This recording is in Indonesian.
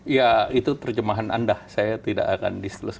ya itu terjemahan anda saya tidak akan diselesaikan